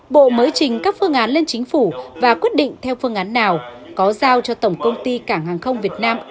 bộ mới trình các phương án lên chính phủ và quyết định theo phương án nào có giao cho tổng công ty cảng hàng không việt nam